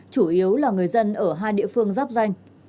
chủ yếu là người dân ở hai địa phương giáp danh